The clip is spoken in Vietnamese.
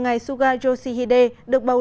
ngày suga yoshihide được bầu